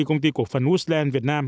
sau khi công ty cổ phần woodland việt nam